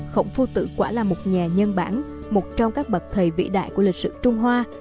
khổng phu tử quả là một nhà nhân bản một trong các bậc thầy vĩ đại của lịch sử trung hoa